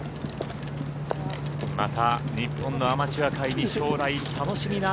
また日本のアマチュア界に将来楽しみな